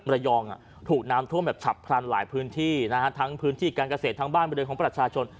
ระยองถูกน้ำท่วมแบบฉับพลันหลายพื้นที่นะฮะทั้งพื้นที่การเกษตรทั้งบ้านบริเวณของประชาชน